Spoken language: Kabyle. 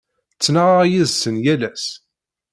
Ttnaɣeɣ yid-sen yal ass.